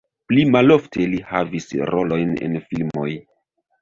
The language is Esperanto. Pli malofte li havis rolojn en filmoj.